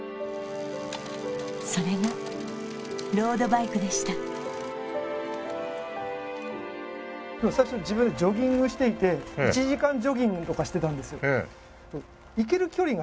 それがロードバイクでした最初自分ジョギングしていて１時間ジョギングとかしてたんですよ